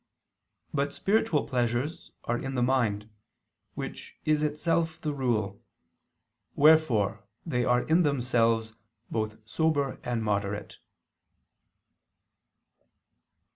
But spiritual pleasures are in the mind, which is itself the rule: wherefore they are in themselves both sober and moderate.